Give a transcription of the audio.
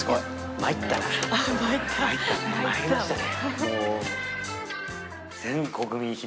まいりましたね。